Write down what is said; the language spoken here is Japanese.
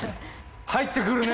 入ってくるね！